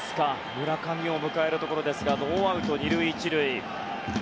村上を迎えるところでノーアウト２塁１塁。